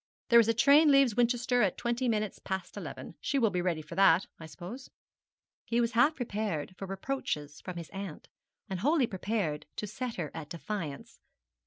'There is a train leaves Winchester at twenty minutes past eleven. She will be ready for that I suppose?' He was half prepared for reproaches from his aunt, and wholly prepared to set her at defiance.